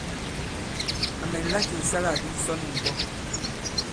À mɛ̀nla kì ìsalâkdi ǹsɔn nì ɓɔ.